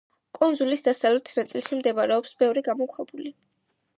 კუნძულის დასავლეთ ნაწილში მდებარეობს ბევრი გამოქვაბული.